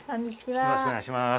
よろしくお願いします。